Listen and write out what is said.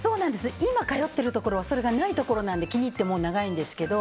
今、通ってるところはそれがないところなので気に入って、長いんですけど。